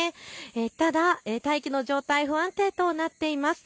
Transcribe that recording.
ただ大気の状態、不安定となっています。